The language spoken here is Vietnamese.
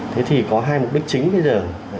thế thì có hai mục đích chính bây giờ